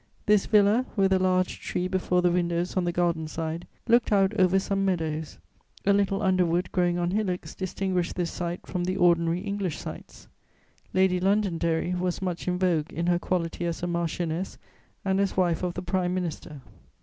This villa, with a large tree before the windows on the garden side, looked out over some meadows; a little underwood growing on hillocks distinguished this site from the ordinary English sites. Lady Londonderry was much in vogue in her quality as a marchioness and as wife of the Prime Minister.